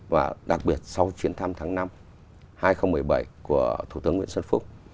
và đặc biệt sau chuyến thăm tháng năm hai nghìn một mươi bảy của thủ tướng nguyễn xuân phúc